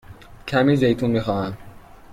کمی زیتون می خواهم.